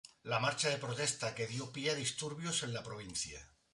La marcha de protesta que dio pie a disturbios en la provincia.